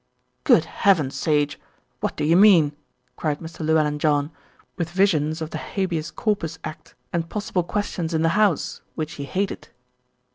"Good heavens, Sage I What do you mean?" cried Mr. Llewellyn John, with visions of the Habeas Corpus Act and possible questions in the House, which he hated.